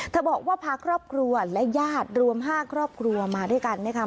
บอกว่าพาครอบครัวและญาติรวม๕ครอบครัวมาด้วยกันนะคะ